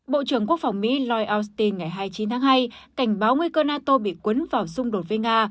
bộ trưởng quốc phòng mỹ lloyd austin ngày hai mươi chín tháng hai cảnh báo nguy cơ nato bị cuốn vào xung đột với nga